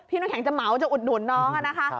น้ำแข็งจะเหมาจะอุดหนุนน้องนะคะ